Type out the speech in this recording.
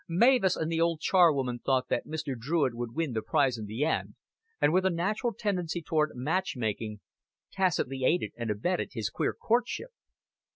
Mavis and the old charwoman thought that Mr. Druitt would win the prize in the end, and with a natural tendency toward match making tacitly aided and abetted his queer courtship.